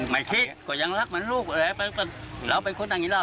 ไม่คิดก็ยังรักมันลูกแล้วก็เราเป็นคนดังนี้แล้ว